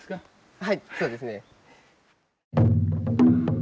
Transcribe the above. はいそうですね。